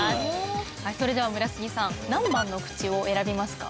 それでは村重さん何番のクチを選びますか？